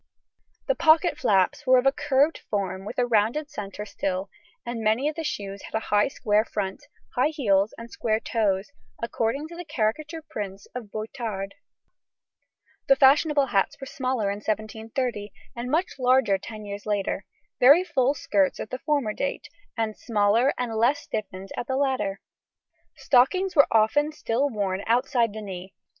] The pocket flaps were of a curved form, with a rounded centre still, and many of the shoes had a high square front, high heels, and square toes: according to the caricature prints of Boitard, the fashionable hats were smaller in 1730, and much larger ten years later; very full skirts at the former date, and smaller and less stiffened at the latter. Stockings were often still worn outside the knee.